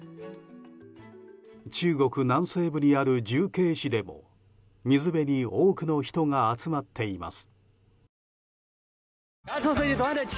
中国南西部にある重慶市でも水辺に多くの人が集まっています。